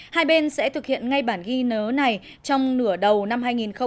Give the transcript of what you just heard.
hai bên sẽ thực hiện ngay bản ghi nhớ này trong nửa đầu năm hai nghìn một mươi chín